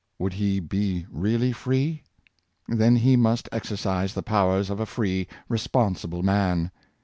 Would he be really free? Then he must exercise the powers of a free, responsible man.